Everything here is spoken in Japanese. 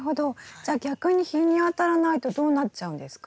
じゃあ逆に日に当たらないとどうなっちゃうんですか？